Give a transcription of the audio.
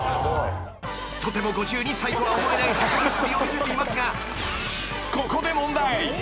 ［とても５２歳とは思えないはしゃぎっぷりを見せていますがここで］